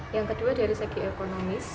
yang kedua dari segi ekonomis